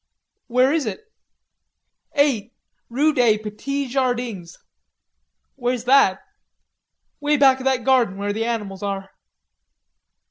"Where is it." "Eight, rew day Petee Jardings." "Where's that?" "Way back of that garden where the animals are."